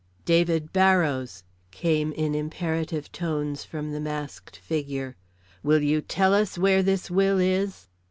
"David Barrows," came in imperative tones from the masked figure, "will you tell us where this will is?"